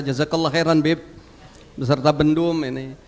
jazakallah khairan bib beserta bendum ini